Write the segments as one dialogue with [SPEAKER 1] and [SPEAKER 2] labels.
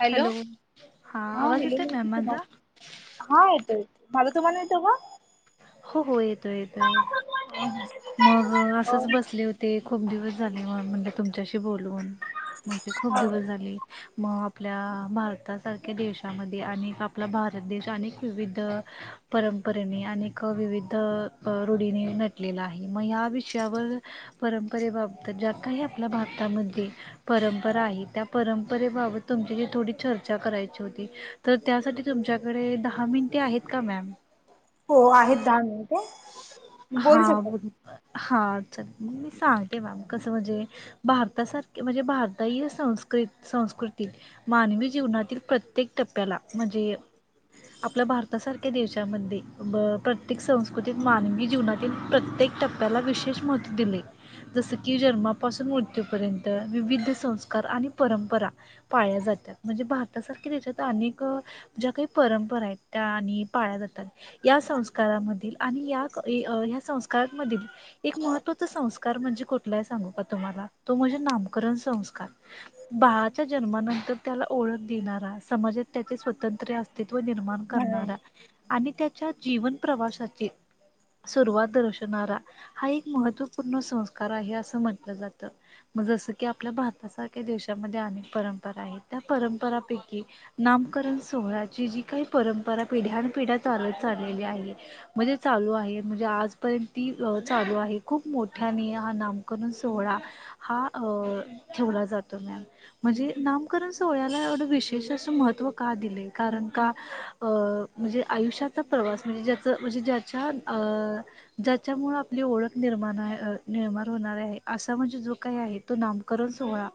[SPEAKER 1] Hello हा
[SPEAKER 2] आवाज येतोय मॅम
[SPEAKER 1] हॅलो
[SPEAKER 2] माझा
[SPEAKER 1] हा येतोय माझा तुम्हाला येतो का?
[SPEAKER 2] हो हो येतोय येतोय.
[SPEAKER 1] हम् हम [inaudible]
[SPEAKER 2] मग असंच बसले होते खूप दिवस झाले म्हणले तुमच्याशी बोलून. म्हणजे खूप दिवस झाले. म आपल्या भारतासारख्या देशामध्ये अनेक आपला भारत देश अनेक विविध परंपरेने अनेक विविध रूढीने नटलेला आहे म या विषयावर परंपरेबाबत ज्या काही आपल्या भारतामध्ये परंपरा आहे त्या परंपरेबाबत तुमची जी थोडी चर्चा करायची होती. तर त्यासाठी तुमच्याकडे दहा मिनटे आहेत का मॅम?
[SPEAKER 1] हो आहेत ान ते [inaudible]
[SPEAKER 2] हा म हा चल मी सांगते मॅम कसं म्हणजे. भारतासारखी म्हणजे भारतायी संस्क संस्कृती. मानवी जीवनातील प्रत्येक टप्प्याला म्हणजे आपल्या भारतासारख्या देशामध्ये ब प्रत्येक संस् कृतीत मानवी जीवनातील प्रत्येक टप्प्याला विशेष महत्व दिले. जसं की जन्मापासून मृत्यूपर्यंत विविध संस्कार आणि परंपरा. पाळल्या जातात म्हणजे भारतासारख्या देशात अनेक ज्या काही परंपरा आहेत त्या आणि पाळ्ळ्या जातात या संस्कारामधील. आणि या क य संस्कारामधील. एक महत्त्वाचा संस्कार म्हणजे कुठला आहे? सांगू का तुम्हाला तो म्हणजे नामकरण संस्कार. बाळाच्या जन्मानंतर त्याला ओळख देणारा, समाजात त्याचे स्वातंत्र्य अस्तित्व निर्माण. करणारा आणि त्याच्या जीवन प्रवासातील. सुरुवात दर्शवणारा हा एक महत्त्वपूर्ण संस्कार आहे असं म्हटलं जातं. मग जसं की आपल्या भारतासारख्या देशामध्ये अनेक परंपरा आहेत त्या परंपरापैकी नामकरण सोहळ्याची जी काही परंपरा पिढ्यान पिढ्या चालत चाललेली आहे म्हणजे! चालू आहे म्हणजे आजपर्यंत ती चालू आहे खूप मोठ्याने हा नामकरण सोहळा. हा ठेवला जातो मॅम. म्हणजे नामकरण सोहळ्याला एवढं विशेष असं महत्त्व का दिले कारण का. अ म्हणजे आयुष्याचा प्रवास म्हणजे ज्याचं म्हणजे ज्याच्या. ज्याच्यामुळे आपली ओळख निर्माण निर्माण होणारे आहे असा म्हणजे जो काही आहे. तो नामकरण सोहळा.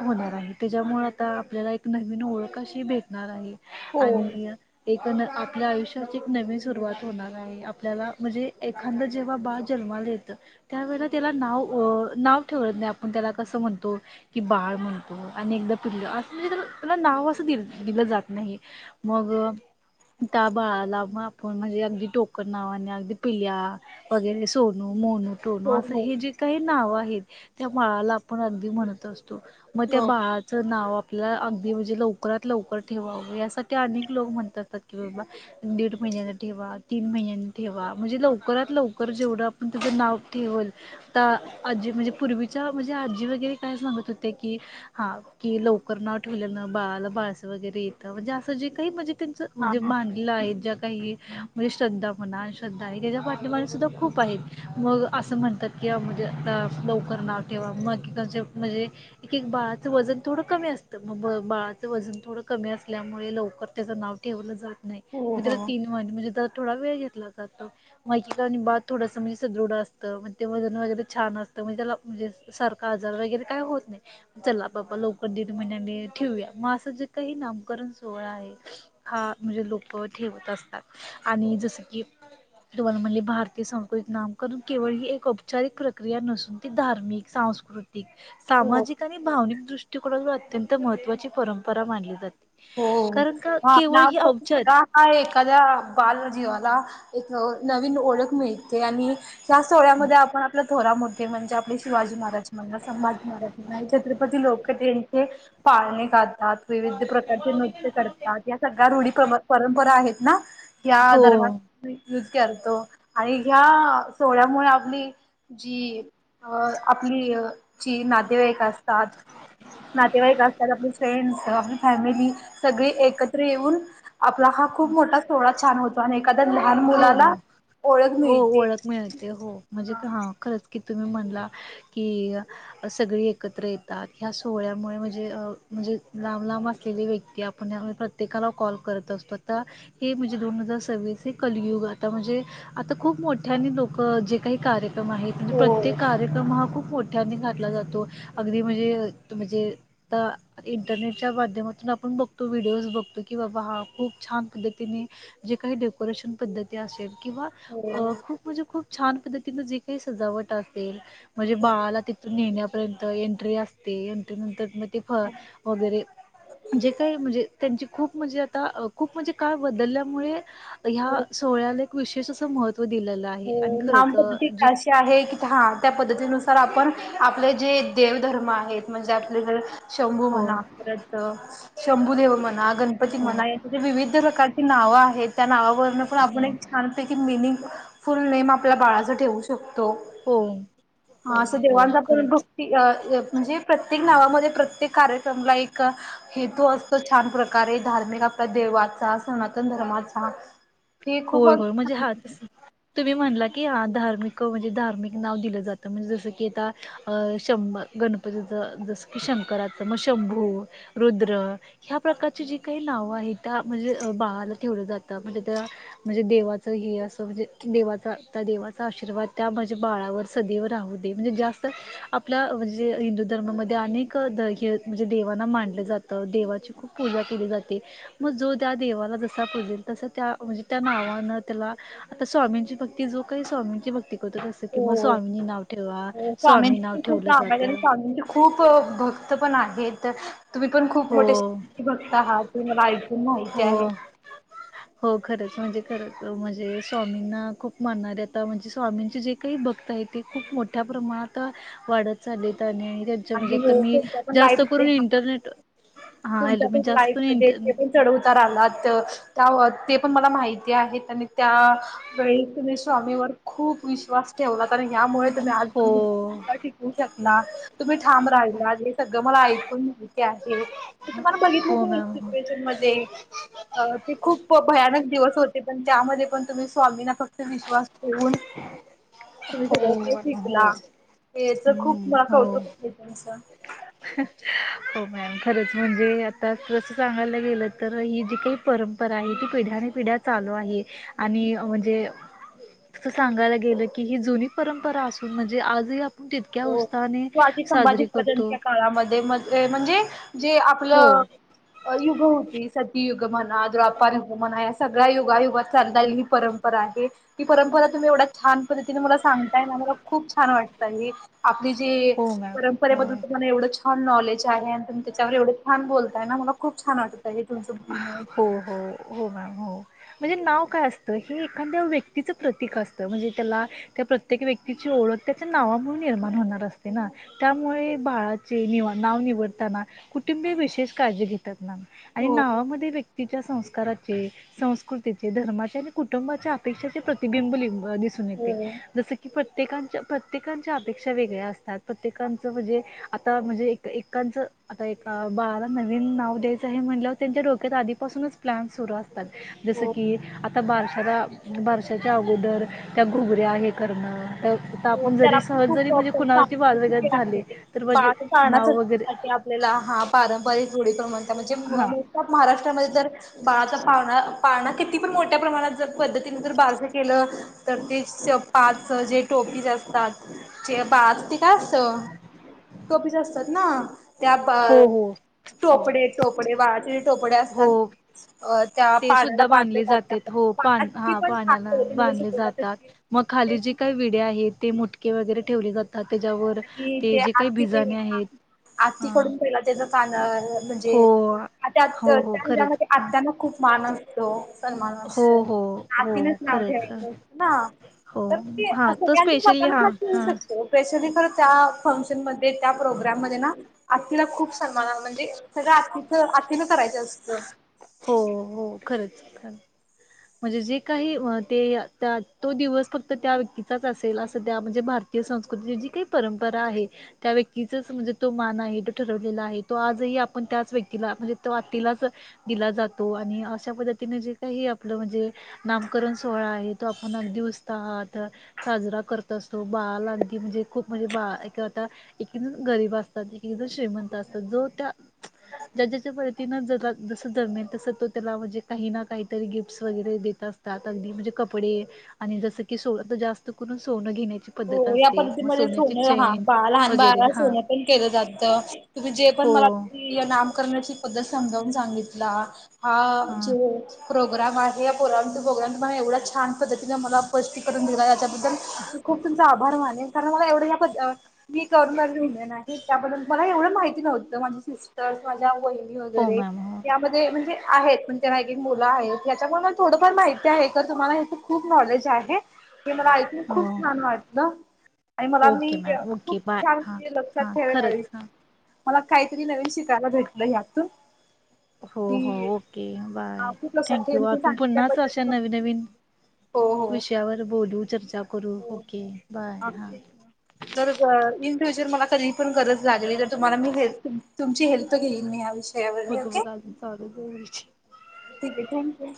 [SPEAKER 2] होणार आहे त्याच्यामुळे आता आपल्याला एक नवीन ओळखशी भेटणार आहे.
[SPEAKER 1] हो
[SPEAKER 2] आणि एक न आपल्या आयुष्याची एक नवीन सुरवात. होणार आहे आपल्याला म्हणजे एखादं जेव्हा बाळ जन्माला येत. त्यावेेळे त्याला नाव नाव ठेवत नाही आपण त्याला कसं म्हणतो. की बाळ म्हणतो आणि एकदा पिल्लं असं म्हणजे त्याला त्याला नाव असं दि दिलं जात नाही. मग तबाळाला आपण म्हणजे. टोकरण नावाने अगदी पिल्या वगैरे सोनू मोनू टोनू
[SPEAKER 1] हो
[SPEAKER 2] असं
[SPEAKER 1] हो
[SPEAKER 2] हे जे. काही नाव आहेत त्या बाळाला आपण अगदी म्हणत असतो मग त्या
[SPEAKER 1] हो
[SPEAKER 2] बाळा. चं नाव आपल्या अगदी म्हणजे लवकरात लवकर ठेवावं यासाठी अनेक लोक म्हणतातात की बाबा. दडेड महिन्याचा ठ वा. तीन महिन्यांनी ठेवा म्हणजे लवकरात लवकर जेवढं आपण तुझं नाव ठेवल. आता आजी म्हणजे पूर्वीच्या म्हणजे आजी वगैरे काय सांगत होते की. हा की लवकर न ठेवल्यान बाळाला बाळस वगैरे येतं म्हणजे असं जे काही म्हणजे.
[SPEAKER 1] हा
[SPEAKER 2] म्हणजे
[SPEAKER 1] हा
[SPEAKER 2] बांधलं आहे ज्या काही म्हणजे श्रद्धा म्हणा श्रद्धा आहे त्याच्या. सुद्धा खूप आहेत. मग असं म्हणतात की म्हणजे आता लवकर नाव ठेवा मग की कॉन्सेप्ट म्हणजे. एक एक बाळाचं वजन थोडं कमी असतं मग बाळाचं वजन थोडं कमी असल्यामुळे लवकर त्याचं नाव. ठेवलं जात नाही
[SPEAKER 1] हो
[SPEAKER 2] मग
[SPEAKER 1] हो
[SPEAKER 2] त्याला तीन वाहिने म्हणजे त्या थोडा वेळ घेतला जातो. माहिकी का आणि बाद थोडंसं म्हणजे सदृढ असतं म ते वजन वगैरे छान असतं म्हणज त्याला म्हणजे. सारखा आजार वगैरे काही होत नाही. चला बाबा लवकर दीड महिन्यानी ठेवूया मग असं जे काही नामकरण सोहळा आहे. हा म्हणजे लोक ठेवत असतात आणि जस की. तुम्हाला म्हणले भारतीय संस्कृती एक नामकरण केवळ ही एक औपचारिक प्रक्रिया नसून. ते धारमिक सांस्कृत.
[SPEAKER 1] हो
[SPEAKER 2] सामाजिक आणि भावनिक दृष्टिकोनातून अत्यंत महत्त्वाची परंपरा मानली जाते.
[SPEAKER 1] हो
[SPEAKER 2] कारण का
[SPEAKER 1] आप
[SPEAKER 2] केवळ
[SPEAKER 1] आव
[SPEAKER 2] ही औपचारिक
[SPEAKER 1] का. हा एखाद्या बालजीवाला एक नवीन ओळख मिळते आणि. जास्त वेळ्यामध्ये आपण आपलं. थोरा मोठे म्हणजे आपले शिवाजी महाराज म्हण संभाजी महाराज म्हण छत्रपती लोक त्यांचे. पाळणे खातात. विविध प्रकारचे नृत्य करतात या सगळ्या रूढी परंपरा आहेत ना. ह
[SPEAKER 2] हो
[SPEAKER 1] दरबज यूज करतो आणि ह्या सोहळ्यामुळे आपली. जी अ आपली जची नातेवाईक असतात. नातेवाईक असतात आपली फ्रेंड्स कवा आपली फॅमिली सगळी एकत्र येऊन. आपला हा खूप मोठा सोहळा छान होतो आणि एखा.
[SPEAKER 2] हो हो हो
[SPEAKER 1] मिळते
[SPEAKER 2] ओळख मिळते हो म्हणजे हा खरंच की तुम्ही म्हणला. क. सगळी एकत्र येतात ह्या सोहळ्यामुळे म्हणजे म्हणजे लांब लांब असलेली व्यक्ती. पण आ्ही प्रत्येकाला कॉल करत असतो आता हे म्हणजे दोन हजार सव्वीस एक. कलयुग आता म्हणजे आता खूप मोठ्यानी लोक जे काही कार्यक्रम आहेत. म्हणजे
[SPEAKER 1] हो
[SPEAKER 2] प्रत्येक कार्यक्रम हा खूप मोठ्याने घातला जातो अगदी म्हणजे म्हणजे. तर. इंटरनेटच्या माध्यमातून आपण बघतो व्हिडिओज बघतो की बाबा हा खूप छान पद्धतीने. जे काही डेकोरेशन पद्धती असेल किंवा अ
[SPEAKER 1] हो
[SPEAKER 2] खूप. म्हणजे खूप छान पद्धतीन जे काही सजावट असेल म्हणजे बाळाला ते नेण्यापर्यंत एंट्री असते, एंट्री नंतर मग ते फळ वगैरे,,, जे काय म्हणजे, त्यांची खूप म्हणजे आता, खूप म्हणजे काळ बदलल्यामुळे ह्या
[SPEAKER 1] हो
[SPEAKER 2] सोहळ्या, विशेष असं महत्व दिलेलं आहे.
[SPEAKER 1] हो
[SPEAKER 2] आणि
[SPEAKER 1] नाम
[SPEAKER 2] खरंच
[SPEAKER 1] पद्धती
[SPEAKER 2] अ जी
[SPEAKER 1] अशी आहे की, हा... त्या पद्धतीनुसार आपण, आपले जे देवधर्म आहेत, म्हणजे आपल्या जडे शंभू
[SPEAKER 2] हो
[SPEAKER 1] म्हणा. शभुदेव म्हणा गणपती
[SPEAKER 2] हो
[SPEAKER 1] म्हणा यांचे विविध प्रकारची नाव आहेत त्या नावा पण
[SPEAKER 2] हो
[SPEAKER 1] आपण एक छानपैकी मिनिंग. फुल नेम आपल्या बाळाचा ठेवू शकतो...
[SPEAKER 2] हो हो
[SPEAKER 1] हा असं
[SPEAKER 2] हो
[SPEAKER 1] देवांचा पण
[SPEAKER 2] खरंच
[SPEAKER 1] फ्रू ती अ... त म्हणजे प्रत्येक नावामध्ये प्रत्येक कार्यक्रमला एक हे तो असत छान प्रकारे, धार्मिक आपल्या देवाचा सनातन धर्माचा, हे
[SPEAKER 2] होय होय म्हणजे
[SPEAKER 1] खूपच
[SPEAKER 2] हातस. तुम्ही म्हणला की, हा धार्मिक म्हणजे धार्मिक नाव दिलं जातं. म्हणजे जसं की आता, अ... शंभ गणपतीच जसं की, शंकराचं मग शंभू रुद्र. ह्या प्रकारची जी काही नावं आहेत. त्या म्हणजे बाळाला ठेवलं जातं. म्हणजे त्या, म्हणजे देवाचं हे असं, म्हणजे की देवाचा त्या देवाचा आशीर्वाद त्या माजे बाळावर, सदैव राहू दे. म्हणजे जास्त आपला म्हणजे, हिंदू धर्मामध्ये अनेक द हे, म्हणजे देवाना मांनलं जातं, देवाची खूप पूजा केली जाते. मग जो त्या देवाला जसा पुजेल तसा त्या म्हणजे, त्या नावानं त्याला, आता स्वामींची भक्ती जो काही स्वामींची भक्ती करतोत. कि मग
[SPEAKER 1] हो
[SPEAKER 2] स्वामीनी नाव ठेवा, स्वामी
[SPEAKER 1] स्वामींची
[SPEAKER 2] नाव
[SPEAKER 1] पण खूप
[SPEAKER 2] ठेवलं
[SPEAKER 1] आहेत आणि
[SPEAKER 2] जातं.
[SPEAKER 1] स्वामींची खूप भक्त पण आहेत. तुम्ही पण खूप
[SPEAKER 2] हो
[SPEAKER 1] मोठ्यासे बघता आहात, ते मला ऐकून माहिती
[SPEAKER 2] हो
[SPEAKER 1] आहे.
[SPEAKER 2] हो खरंच म्हणजे, खरंच म्हणजे, स्वामींना खूप मानणारे आता म्हणजे, स्वामींचे जे काही भक्त आहेत. ती खूप मोठ्या प्रमाणात, वाढत चाललीत आणि ते म्हणजे
[SPEAKER 1] आणि
[SPEAKER 2] आ
[SPEAKER 1] हो
[SPEAKER 2] मी
[SPEAKER 1] तुमच्या पण
[SPEAKER 2] जास्त करून
[SPEAKER 1] लाईफ
[SPEAKER 2] इंटरनेट,, हाल मी जास्त मी इंट
[SPEAKER 1] चढवत आला त्य ते पण मला माहिती आहे. तर मी त्या.. वेळी तुम्ही स्वामीवर खूप विश्वास ठेवला तर ह्यामुळे तुम्ही आजपर्यंत,,
[SPEAKER 2] हो
[SPEAKER 1] टिकवू शकला. तुम्ही ठाम राहिला, हे सगळं मला ऐकून माहिती आहे. मी तुम्हाला बघितलं
[SPEAKER 2] हो
[SPEAKER 1] होत. एक
[SPEAKER 2] मॅम
[SPEAKER 1] सिच्युएशन मध्ये, अ ते खूप भयानक दिवस होते. पण त्यामध्ये पण तुम्ही स्वामीना फक्त विश्वास, येऊन, तुम्ही सगळ
[SPEAKER 2] हो
[SPEAKER 1] काही
[SPEAKER 2] हो
[SPEAKER 1] शिकला. याच खूप
[SPEAKER 2] हम्म
[SPEAKER 1] मला
[SPEAKER 2] हो
[SPEAKER 1] कौतुक मस
[SPEAKER 2] हो मॅम, खरंच म्हणजे आता तसं सांगायला गेलं तर, ही जी काही परंपरा आहे. ती पिढ्याने पिढ्या चालू आहे. आणि म्हणजे तस सांगायला गेलं की, ही जुनी परंपरा असून म्हणजे आजही आ,
[SPEAKER 1] हो शिवाजी संभाजी
[SPEAKER 2] करतो
[SPEAKER 1] महाराजांच्या काळामध्ये म्हण अ जे म्हणजे जे
[SPEAKER 2] हो
[SPEAKER 1] आपलं.. अ युग होती, सतीयुग म्हणा द््रवापार युग म्हणा, या सगळ्या युगायुगात चालतायली ही परंपरा आहे. ती परंपरा तुम्ही एवढ्या छान पद्धतीने मला सांग. ताई आम्हाला खूप छान वाटतय. हे आपली जी
[SPEAKER 2] हो मॅम
[SPEAKER 1] परंपरे
[SPEAKER 2] हो
[SPEAKER 1] बद्दल, तुम्हाला एवढं छान नॉलेज आहे. आणि तुम्ही त्याच्यावर एवढं छान बोलताय ना, मला खूप छान वाटत. तरी तुमचं म्हणन,
[SPEAKER 2] हो हो हो मॅम हो म्हणजे नाव काय असतं. हे एखांद्या व्यक्तीचं प्रतीक असतं. म्हणजे त्याला, त्या प्रत्येक व्यक्तीची ओळख त्याच्या नावामुळेून निर्माण होणार असते ना. त्यामुळे बाळाचे निव नाव निवडताना कुटुंबीय विशेष काळजी घेतात. मॅम, आणि
[SPEAKER 1] हो
[SPEAKER 2] नावामध्ये व्यक्ती, तिच्या संस्काराचे, संस्कृतीचे, धर्माचे आणि कुटुंबाच्या अपेक्षाचे प्रतिबिंब लिह दिसून येते
[SPEAKER 1] हो
[SPEAKER 2] जस की की प्रत्येकांच्या प्रत्येकांच्या अपेक्षा वेगळ्या असतात प्रत्येकांचं म्हणजे आता म्हणजे एक एकांच आता एका बाळाला नवीन नाव द्यायचं आहे म्हंटल्याव त्यांच्या डोक्यात आधीपासूनच प्लाॅन सुरू असतात जसं की
[SPEAKER 1] हो.
[SPEAKER 2] आता बारशाला बारशाच्या अगोदर त्या घुगऱ्या हे करणं त्या आता
[SPEAKER 1] हो,
[SPEAKER 2] आपण
[SPEAKER 1] त्याला
[SPEAKER 2] जरी
[SPEAKER 1] पण
[SPEAKER 2] सहज जरी म्हणजे
[SPEAKER 1] खूप
[SPEAKER 2] कुणाची बाजू आयकायची
[SPEAKER 1] सांस्कृतिक
[SPEAKER 2] झाली
[SPEAKER 1] आहे.
[SPEAKER 2] तर म्हणजे
[SPEAKER 1] बाळ
[SPEAKER 2] नाव वगैरे
[SPEAKER 1] पाळण्यासाठी आपल्याला हा पारंपरिक रूढी परंपरा म्हणजे
[SPEAKER 2] हा
[SPEAKER 1] मोस्ट ऑफ महाराष्ट्रामध्ये जर बाळाचा पाळणा पाळणा किती पण मोठ्या प्रमाणात जर पद्धतीने जर बारस केलं तर ते पाच जे टोप ीज असतात ज बा असते काय असत तोबीज असतात ना त्या पा
[SPEAKER 2] हो हो हो
[SPEAKER 1] टोपडे टोपडे बाळाचे जे टोपडे असतात
[SPEAKER 2] हो
[SPEAKER 1] अ त्या
[SPEAKER 2] ते
[SPEAKER 1] पाण्याला
[SPEAKER 2] सुद्धा बांधले
[SPEAKER 1] जातात
[SPEAKER 2] जातेत हो पा
[SPEAKER 1] पाळणा
[SPEAKER 2] हा
[SPEAKER 1] किती पण छान
[SPEAKER 2] पानाला
[SPEAKER 1] पद्धतीने जर
[SPEAKER 2] बांधले
[SPEAKER 1] शिकवला तर
[SPEAKER 2] जातात मग खाली
[SPEAKER 1] ते
[SPEAKER 2] जी काही विडे आहेत ते मुटके वगैरे ठेवले जातात त्याच्यावर
[SPEAKER 1] कि ते
[SPEAKER 2] जे काही
[SPEAKER 1] आती
[SPEAKER 2] बिजाणे आहेत हा
[SPEAKER 1] आतीकडून पहिला तेचं कानर
[SPEAKER 2] हो
[SPEAKER 1] हा त्या
[SPEAKER 2] हो हो खरंच
[SPEAKER 1] हेच्यामध्ये
[SPEAKER 2] हां
[SPEAKER 1] आत्यांना खूप मान असतो सन्मान
[SPEAKER 2] हो
[SPEAKER 1] असतो
[SPEAKER 2] हो हो
[SPEAKER 1] आत्तीनच नाव ठेवायचं
[SPEAKER 2] खरंच
[SPEAKER 1] असत ना
[SPEAKER 2] हो
[SPEAKER 1] तर ते
[SPEAKER 2] हां तो
[SPEAKER 1] सगळ्यांच्या
[SPEAKER 2] स्पेशली हां
[SPEAKER 1] मतानुसार ठेवू
[SPEAKER 2] हां
[SPEAKER 1] शकतो स्पेशली खर त्या फंक्शन मध्ये त्या प्रोग्राम मध्ये ना आत्तीला खूप सन्मान म्हणज ते सगळं आत्तीच आत्तीन करायचं असतं
[SPEAKER 2] हो हो खरंच खर म्हणजे जे काही ते तो दिवस फक्त त्या व्यक्तीचाच असेल असं त्या म्हणजे भार भारतीय संस्कृतीची जी काही परंपरा आहे त्या व्यक्तीचाच म्हणजे तो मान आहे तो ठरवलेला आहे, तो आजही आपण त्याच व्यक्तीला म्हणजे तो आत्तीलाच दिला जातो आणि अशा पद्धतीने जे काही आपलं म्हणजे नामकरण सोहळा आहे तो आपण अगदी उसत आहात साजरा करत असतो बा अगदी म्हणजे खूप म्हणजे बा कं आता एकण गरीब असतात एक एकजण श्रीमंत असतात जो त्या ज्या ज्याच्या पद्धतीनं ज जसं दरम्यान तसं तो त्याला म्हणजे काही ना काहीतरी गिफ्ट्स वगैरे देत असतात अगदी म्हणजे कपडे आणि जसं की सो तर जास्त करून सोनं घेण्याची पद्धत
[SPEAKER 1] हो या
[SPEAKER 2] असते मग
[SPEAKER 1] पद्धतीमध्ये
[SPEAKER 2] सोन्याची
[SPEAKER 1] सोनं हा
[SPEAKER 2] चेन
[SPEAKER 1] लहान
[SPEAKER 2] वगैरे
[SPEAKER 1] बाळाला
[SPEAKER 2] हां
[SPEAKER 1] सोनं पण केलं जातं तुम्ही जे पण
[SPEAKER 2] हो
[SPEAKER 1] मला नामकरणाची पद्धत समजावून सांगितला हा जे
[SPEAKER 2] हां
[SPEAKER 1] प्रोग्राम आहे या प्रोग्रम प्रोग्राम त एवढ्या छान पद्धतीने मलापष्टी करून दिला त्याच्याबद्दल खूप तुमचा आभार माने कारण मला एवढं मी करणार लिहिण नाही त्याबद्दल मला एवढं माहिती नव्हतं माझी सिस्टर्स माझ्या वहि
[SPEAKER 2] हो
[SPEAKER 1] वगैरे
[SPEAKER 2] मॅम हो
[SPEAKER 1] त्या म्हणजे आहेत पण त्यांना एक एक मुलं आहेत ह्याच्यामुळे मला थोडंफार माहिती आहे तर तुम्हाला ह्याच खूप नॉलेज आहे ते मला ऐकून
[SPEAKER 2] हो
[SPEAKER 1] खूप छान वाटत आणि मला
[SPEAKER 2] ओके
[SPEAKER 1] मी
[SPEAKER 2] मॅम
[SPEAKER 1] खूप
[SPEAKER 2] ओके बाय
[SPEAKER 1] छान
[SPEAKER 2] हां
[SPEAKER 1] लक्षात
[SPEAKER 2] हां
[SPEAKER 1] ठेवाला आ
[SPEAKER 2] खरंच हां
[SPEAKER 1] मला काहीतरी नवीन शिकायला भेटलं या्यातून
[SPEAKER 2] हो हो ओके बाय
[SPEAKER 1] हा खूप लक्षात
[SPEAKER 2] थँक
[SPEAKER 1] ठेवेन तुम्ही
[SPEAKER 2] आपण पुन्हा
[SPEAKER 1] सांगितल्याबद्दल
[SPEAKER 2] अशा नवीन नवीन
[SPEAKER 1] हो हो.
[SPEAKER 2] विषयावर बोलू चर्चा करू
[SPEAKER 1] हो
[SPEAKER 2] ओके
[SPEAKER 1] हो.
[SPEAKER 2] बाय हा
[SPEAKER 1] तेच ना. जर इन फ्युचर मला कधी पण गरज लागली तर तुम्हाला मी हेल्प तुमची हेल्प घेईन मी या विषयी
[SPEAKER 2] बघ बघ अजून चालूच [unintelligible]
[SPEAKER 1] ठीक आहे थँक्यू..